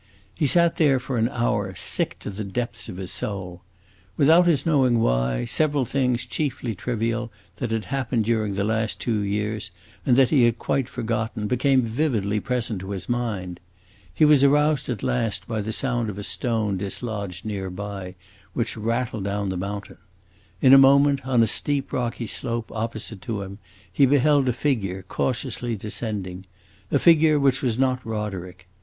He sat there for an hour, sick to the depths of his soul. Without his knowing why, several things, chiefly trivial, that had happened during the last two years and that he had quite forgotten, became vividly present to his mind. He was aroused at last by the sound of a stone dislodged near by, which rattled down the mountain. In a moment, on a steep, rocky slope opposite to him, he beheld a figure cautiously descending a figure which was not Roderick.